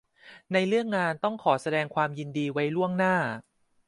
ในเรื่องงานต้องขอแสดงความยินดีไว้ล่วงหน้า